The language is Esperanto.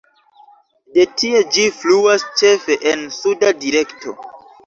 De tie ĝi fluas ĉefe en suda direkto.